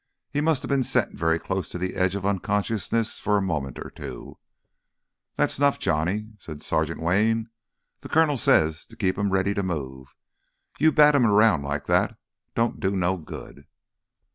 He must have been sent very close to the edge of unconsciousness for a moment or two. "That's 'nough, Johnny," said Sergeant Wayne. "Th' Colonel says to keep him ready to move. You battin' him 'round like that don't do no good."